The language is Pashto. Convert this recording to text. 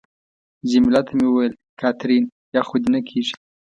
جميله ته مې وویل: کاترین، یخ خو دې نه کېږي؟